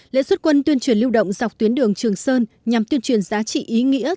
lễ xuất quân tuyên truyền lưu động dọc tuyến đường trường sơn nhằm tuyên truyền giá trị ý nghĩa